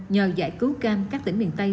nhờ giải cứu cam các tỉnh miền tây